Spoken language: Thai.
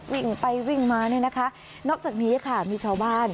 วิ่งไปวิ่งมานอกจากนี้มีชาวบ้าน